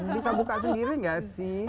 bisa buka sendiri nggak sih